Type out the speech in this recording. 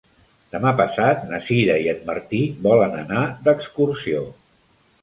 Demà passat na Sira i en Martí volen anar d'excursió.